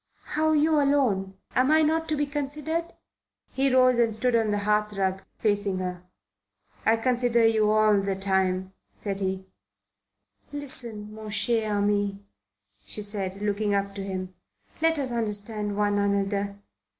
"How you alone? Am not I to be considered?" He rose and stood on the hearthrug, facing her. "I consider you all the time," said he. "Listen, mon cher ami," she said, looking up at him. "Let us understand one another.